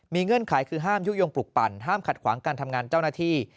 เงื่อนไขคือห้ามยุโยงปลุกปั่นห้ามขัดขวางการทำงานเจ้าหน้าที่